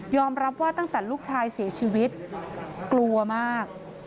รับว่าตั้งแต่ลูกชายเสียชีวิตกลัวมาก